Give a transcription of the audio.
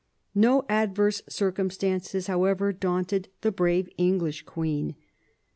^ No adverse circumstances, however, daunted the brave English queen.